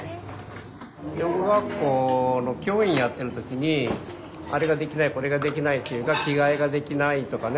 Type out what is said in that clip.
養護学校の教員やってる時にあれができないこれができないというか着替えができないとかね